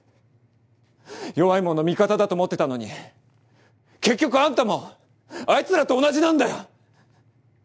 弱いもんの味方だと思ってたのに結局あんたもあいつらと同じなんだよ！